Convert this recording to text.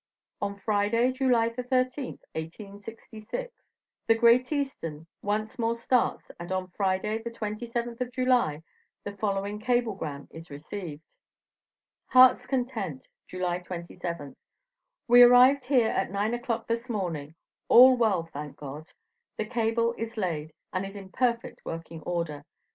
On Friday, July 13th, 1866, the Great Eastern once more starts, and on Friday, the 27th of July, the following cablegram is received. "HEARTS CONTENT, July 27th. "We arrived here at nine o'clock this morning. All well, thank God. The Cable is laid, and is in perfect working order.